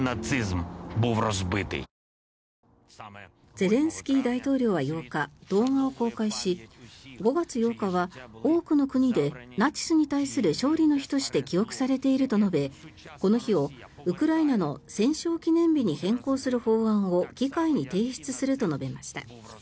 ゼレンスキー大統領は８日動画を公開し５月８日は多くの国でナチスに対する勝利の日として記憶されていると述べこの日をウクライナの戦勝記念日に変更する法案を議会に提出すると述べました。